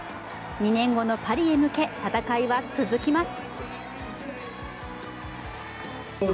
２年後のパリへ向け戦いは続きます。